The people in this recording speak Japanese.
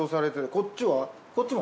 こっちも？